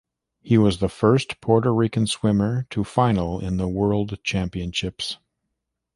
He was the "first" Puerto Rican swimmer to final in the World Championships.